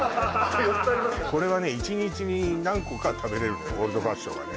これはね一日に何個かは食べれるのよオールドファッションはね